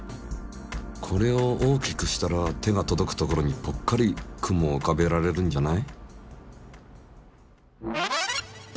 これを大きくしたら手が届く所にぽっかり雲をうかべられるんじゃない？